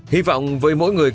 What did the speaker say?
hy vọng với mỗi người